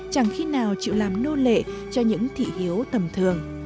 chẳng khi nào chịu làm nô lệ cho những thị hiếu tầm thường